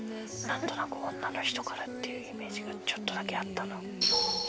なんとなく女の人からっていうイメージがちょっとだけあったの。